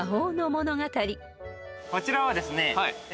こちらはですね。